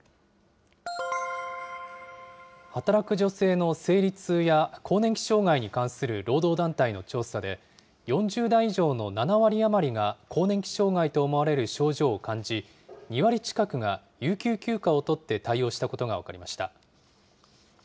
働く女性の生理痛や更年期障害に関する労働団体の調査で、４０代以上の７割余りが更年期障害と思われる症状を感じ、２割近くが有給休暇を取って対応したことが分かりました。